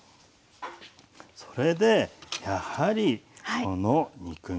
それでやはりこの肉みそです。